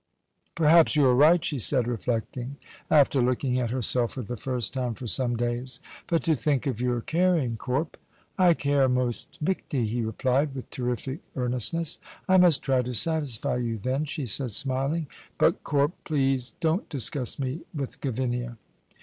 "Perhaps you are right," she said, reflecting, after looking at herself for the first time for some days. "But to think of your caring, Corp!" "I care most michty," he replied, with terrific earnestness. "I must try to satisfy you, then," she said, smiling. "But, Corp, please don't discuss me with Gavinia."